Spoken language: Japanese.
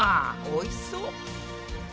おいしそう。